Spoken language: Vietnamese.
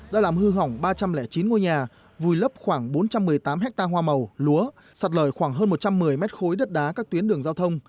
đã làm hư hỏng ba trăm linh chín ngôi nhà vùi lấp khoảng bốn trăm một mươi tám ha hoa màu lúa sạt lở khoảng hơn một trăm một mươi mét khối đất đá các tuyến đường giao thông